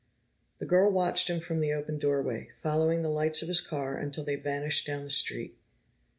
The girl watched him from the open doorway, following the lights of his car until they vanished down the street.